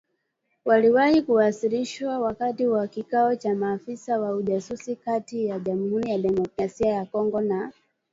waliwahi kuwasilishwa wakati wa kikao cha maafisa wa ujasusi kati ya Jamuhuri ya Demokrasia ya Kongo na